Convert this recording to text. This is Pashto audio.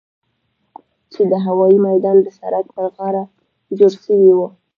چې د هوايي ميدان د سړک پر غاړه جوړ سوي وو.